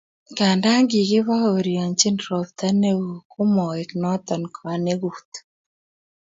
Nganda kikibaurienchi ropta neo ko maek noto kanegut